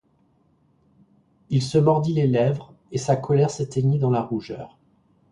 Il se mordit les lèvres, et sa colère s’éteignit dans la rougeur.